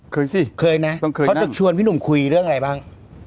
เคยสิเคยนะต้องเคยนั่งเค้าจะชวนพี่หนุ่มคุยเรื่องอะไรบ้าง